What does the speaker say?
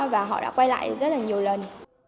và họ đã quay lại rất là nhiều lần